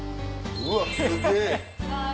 うわっすげぇ！